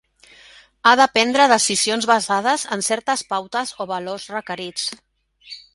Ha de prendre decisions basades en certes pautes o valors requerits.